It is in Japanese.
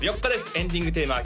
エンディングテーマは＃